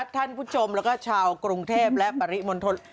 ท่านผู้ชมแล้วก็ชาวกรุงเทพและปริมณฑล